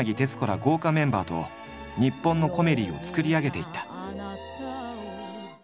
豪華メンバーと日本のコメディを作り上げていった。